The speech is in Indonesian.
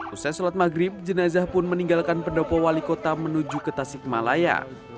usai sholat maghrib jenazah pun meninggalkan pendopo wali kota menuju ke tasik malaya